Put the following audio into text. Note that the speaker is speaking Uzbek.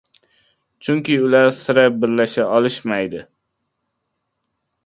Chunki ular sira birlasha olishmaydi.